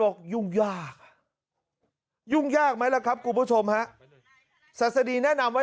ยุ่งยากยุ่งยากไหมล่ะครับคุณผู้ชมฮะศาสดีแนะนำไว้